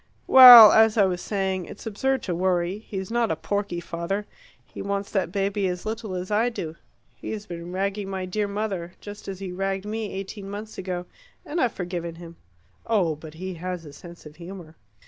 Well, as I was saying, it's absurd to worry; he's not a porky father. He wants that baby as little as I do. He's been ragging my dear mother just as he ragged me eighteen months ago, and I've forgiven him. Oh, but he has a sense of humour!"